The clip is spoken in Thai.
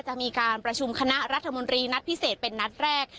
จะมีการประชุมคณะรัฐมนตรีนัดพิเศษเป็นนัดแรก